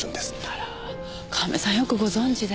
あら神戸さんよくご存じで。